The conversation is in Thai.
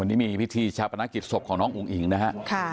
วันนี้มีพิธีชาปนกิจศพของน้องอุ๋งอิ๋งนะฮะ